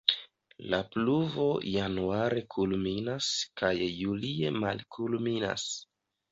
La pluvo januare kulminas kaj julie malkulminas.